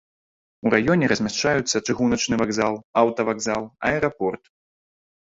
У раёне размяшчаюцца чыгуначны вакзал, аўтавакзал, аэрапорт.